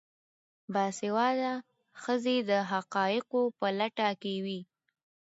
باسواده ښځې د حقایقو په لټه کې وي.